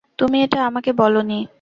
তুমি এটা আমাকে বলোনি।